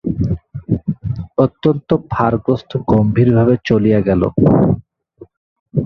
অত্যন্ত ভারগ্রস্ত গম্ভীর ভাবে চলিয়া গেল।